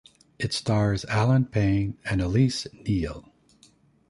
It stars Allen Payne and Elise Neal.